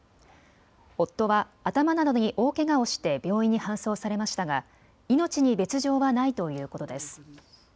夫は頭などに大けがをして病院に搬送されましたが命に別状はないということです。